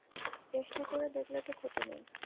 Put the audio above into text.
চেষ্টা করে দেখলে তো ক্ষতি নেই?